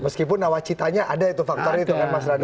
meskipun nawacitanya ada itu faktornya itu kan mas radar ya